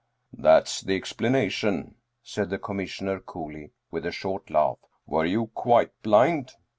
" That's the explanation," said the Commissioner coolly, with a short laugh. "Were you quite blind?